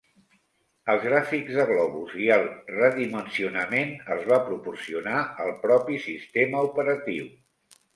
Els gràfics de globus i el redimensionament els va proporcionar el propi sistema operatiu.